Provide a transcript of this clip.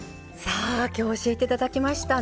さあ今日教えていただきました